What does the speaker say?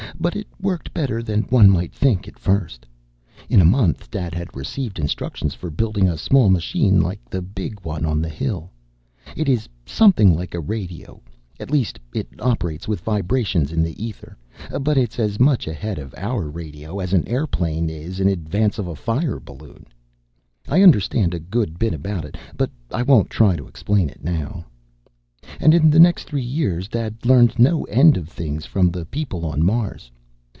But it worked better than one might think at first. In a month Dad had received instructions for building a small machine like that big one on the hill. It is something like radio at least it operates with vibrations in the ether but it's as much ahead of our radio as an airplane is in advance of a fire balloon. I understand a good bit about it, but I won't try to explain it now. "And in the next three years Dad learned no end of things from the people on Mars.